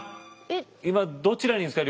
今どちらにいるんですか？